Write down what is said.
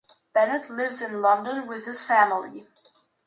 Bennett lives in London with his family.